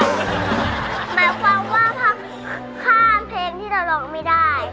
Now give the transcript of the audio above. หมายความว่าถ้าข้ามเพลงที่เราร้องไม่ได้